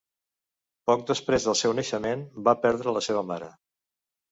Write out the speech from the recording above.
Poc després del seu naixement, va perdre la seva mare.